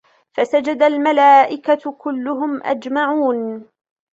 فسجد الملائكة كلهم أجمعون